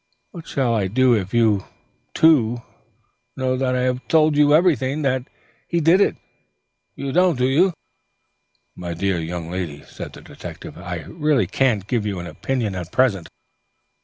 What shall I do if you, too, now that I have told you everything, think he did it? You don't, do you?" "My dear young lady," said the detective. "I really can't give you an opinion at present.